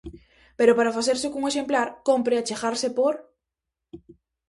Pero para facerse cun exemplar, cómpre achegarse por: